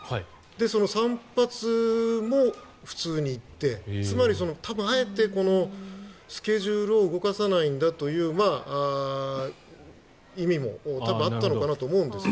その散髪も普通に行ってつまり多分、あえてこのスケジュールを動かさないんだという意味もあったのかなと思うんですが。